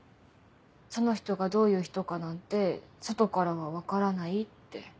その人がどういう人かなんて外からは分からないって。